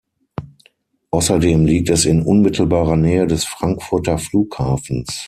Außerdem liegt es in unmittelbarer Nähe des Frankfurter Flughafens.